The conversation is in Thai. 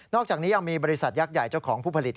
อกจากนี้ยังมีบริษัทยักษ์ใหญ่เจ้าของผู้ผลิต